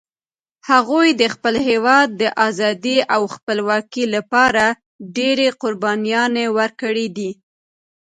هغوی د خپل هیواد د آزادۍ او خپلواکۍ لپاره ډېري قربانيان ورکړي دي